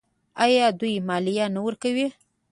آیا دوی مالیه نه ورکوي؟